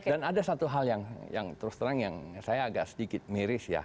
dan ada satu hal yang terus terang yang saya agak sedikit miris ya